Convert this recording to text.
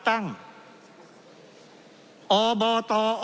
เพราะเรามี๕ชั่วโมงครับท่านนึง